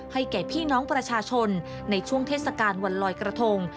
แก่พี่น้องประชาชนในช่วงเทศกาลวันลอยกระทง